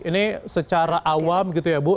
ini secara awam gitu ya bu